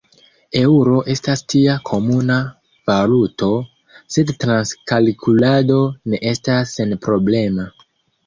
Eŭro estas tia komuna valuto, sed transkalkulado ne estas senproblema.